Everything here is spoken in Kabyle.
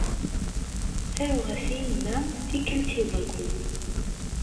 Ttaruɣ-as i yemma tikkelt i wayyur.